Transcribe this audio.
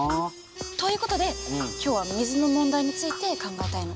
ということで今日は水の問題について考えたいの。